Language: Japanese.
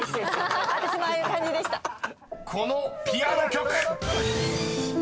［このピアノ曲］